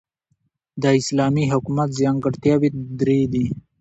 د اسلامی حکومت ځانګړتیاوي درې دي.